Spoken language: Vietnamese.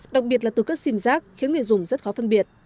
đặc biệt là từ các sim giác khiến người dùng rất khó phân biệt